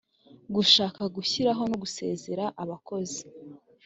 gushaka gushyiraho no gusezerera abakozi